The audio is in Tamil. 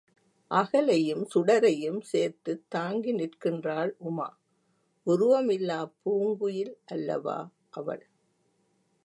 அகலையும் சுடரையும் சேர்த்துத் தாங்கி நிற்கின்றாள் உமா உருவமில்லாப் பூங்குயில் அல்லவா அவள்...?